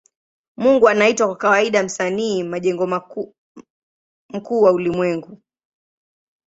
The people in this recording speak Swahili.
Mungu anaitwa kwa kawaida Msanii majengo mkuu wa ulimwengu.